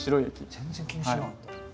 全然気にしてなかった。